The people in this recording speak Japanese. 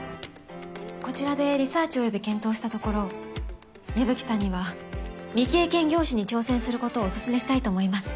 こちらでリサーチおよび検討したところ矢吹さんには未経験業種に挑戦することをおすすめしたいと思います。